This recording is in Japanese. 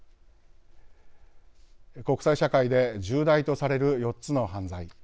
国際社会で重大とされる４つの犯罪。